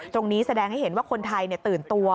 แสดงให้เห็นว่าคนไทยตื่นตัว